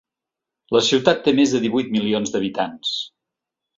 La ciutat té més de divuit milions d’habitants.